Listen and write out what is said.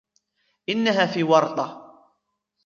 إنها في ورطة.